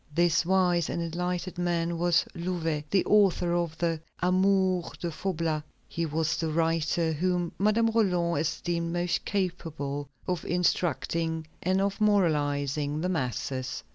This wise and enlightened man was Louvet, the author of the Amours de Faublas. He was the writer whom Madame Roland esteemed most capable of instructing and of moralizing the masses.